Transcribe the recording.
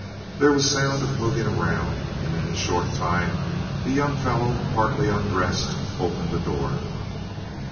There was a sound of moving around, and in a short time the young fellow, partly undressed, opened the door.